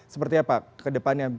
seperti apa ke depannya